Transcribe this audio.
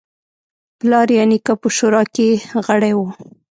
پلار یا نیکه په شورا کې غړی و.